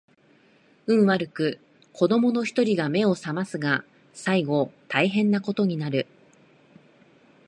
運悪く子供の一人が眼を醒ますが最後大変な事になる